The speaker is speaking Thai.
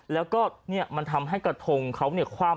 แล้วก็มันทำให้กระทงเขาคว่ำ